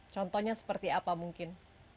contohnya seperti apa mungkin